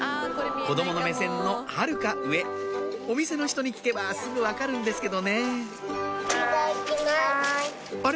子供の目線のはるか上お店の人に聞けばすぐ分かるんですけどねあれ？